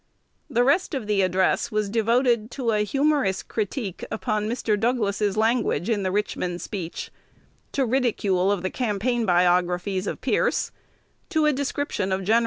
The rest of the address was devoted to a humorous critique upon Mr. Douglas's language in the Richmond speech, to ridicule of the campaign biographies of Pierce, to a description of Gens.